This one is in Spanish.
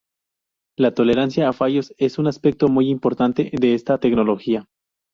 La tolerancia a fallos es un aspecto muy importante de esta tecnología.